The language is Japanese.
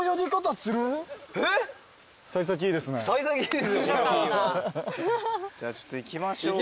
えっ？じゃあちょっと行きましょう。